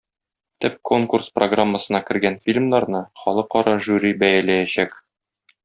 Төп конкурс программасына кергән фильмнарны халыкара жюри бәяләячәк.